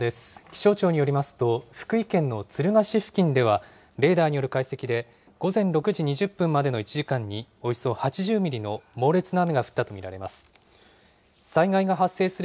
気象庁によりますと、福井県の敦賀市付近では、レーダーによる解析で午前６時２０分までの１時間に、およそ８０ミリの猛烈な雨が降ったと見られます。